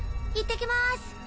いってきまーす！